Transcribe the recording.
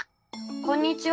こんにちは！